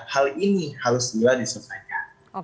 hal ini harus bila diselesaikan